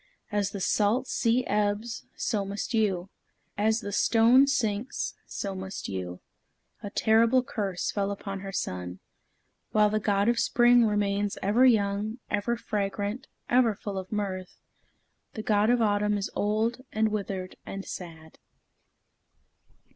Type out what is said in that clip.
As the salt sea ebbs, so must you. As the stone sinks, so must you." The terrible curse fell upon her son. While the God of Spring remains ever young, ever fragrant, ever full of mirth, the God of Autumn is old, and withered, and sad.